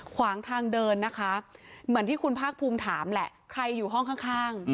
ขวางทางเดินนะคะเหมือนที่คุณภาคภูมิถามแหละใครอยู่ห้องข้าง